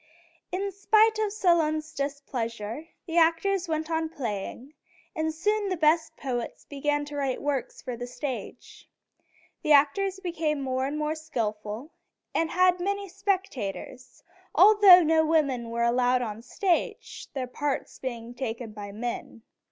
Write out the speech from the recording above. In spite of Solon's displeasure, the actors went on playing, and soon the best poets began to write works for the stage. The actors became more and more skillful, and had many spectators, although no women were allowed on the stage, their parts being taken by men.